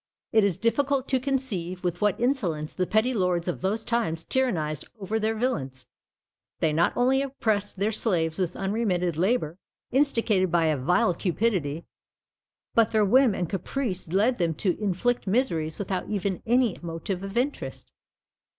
It is difficult to conceive with what insolence the petty lords of those times tyrannized over their villains: they not only oppressed their slaves with unremitted labour, instigated by a vile cupidity, but their whim and caprice led them to inflict miseries without even any motive of interest.